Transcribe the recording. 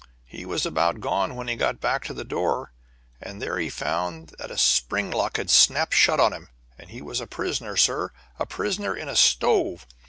He was about gone when he got back to the door, and there he found that a spring lock had snapped shut on him, and he was a prisoner, sir a prisoner in a stove.